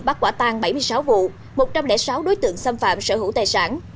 bắt quả tang bảy mươi sáu vụ một trăm linh sáu đối tượng xâm phạm sở hữu tài sản